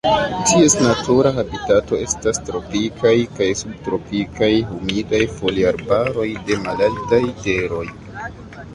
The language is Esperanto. Ties natura habitato estas Tropikaj kaj subtropikaj humidaj foliarbaroj de malaltaj teroj.